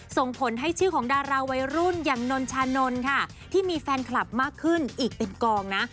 ส่งผลให้ชื่อของดาราวัยรุ่นอย่างนนชานนท์ค่ะที่มีแฟนคลับมากขึ้นอีกเต็มกองนะ